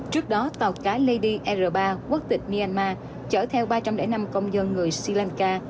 trước đó tàu cá ledir ba quốc tịch myanmar chở theo ba trăm linh năm công dân người sri lanka